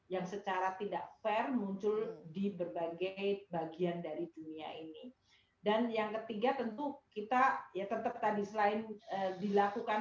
yang secara tidak fair muncul di berbagai bagian dari dunia ini dan yang ketiga tentu kita ya tetap tadi selain dilakukan